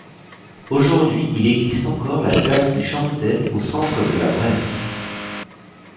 Aujourd'hui, il existe encore la place du Champtel au centre de La Bresse.